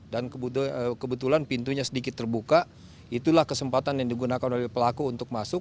dan kebetulan pintunya sedikit terbuka itulah kesempatan yang digunakan oleh pelaku untuk masuk